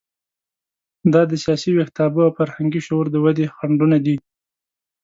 دا د سیاسي ویښتیابه او فرهنګي شعور د ودې خنډونه دي.